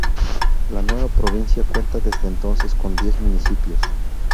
La nueva provincia cuenta desde entonces con diez municipios.